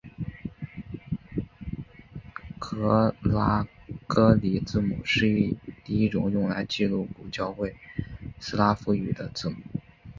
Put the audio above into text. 格拉哥里字母是第一种用来记录古教会斯拉夫语的字母。